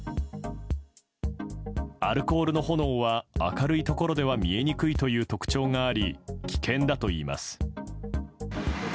アルコールの炎は明るいところでは見えにくいという特徴があり危険だといいます。